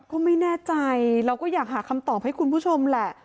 ก็ไม่แน่ใจเราก็อยากหาคำตอบให้คุณผู้ชมแหละ